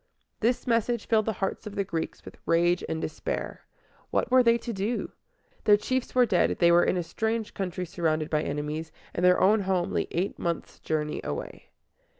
This message filled the hearts of the Greeks with rage and despair. What were they to do? Their chiefs were dead, they were in a strange country surrounded by enemies, and their own home lay eight months' journey away.